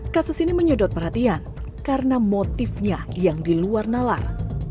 kasus ini menyedot perhatian karena motifnya yang diluar nalar